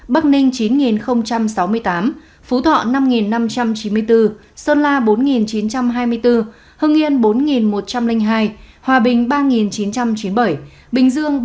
bắc ninh chín sáu mươi tám phú thọ năm năm trăm chín mươi bốn sơn la bốn chín trăm hai mươi bốn hưng yên bốn một trăm linh hai hòa bình ba chín trăm chín mươi bảy bình dương ba chín trăm chín mươi ba